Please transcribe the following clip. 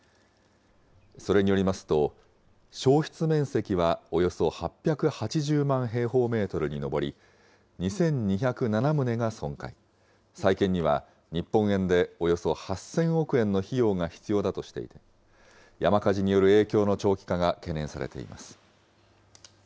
それによりますと、焼失面積はおよそ８８０万平方メートルに上り、２２０７棟が損壊、再建には日本円でおよそ８０００億円の費用が必要だとしていて、山火事による影響の長期化が懸念されています。